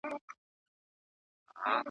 په څو څو ځله تېر سوم .